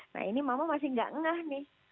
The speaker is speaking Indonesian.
nah ini mama masih nggak ngengah nih